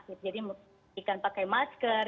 jadi pendidikan pakai masker